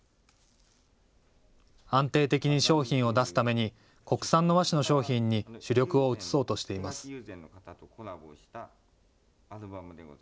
安定的に商品を出すために国産の和紙の商品に主力を移そうとしています。